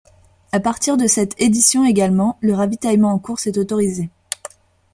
À partir de cette édition également, le ravitaillement en course est autorisé.